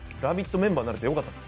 メンバーになれてよかったです。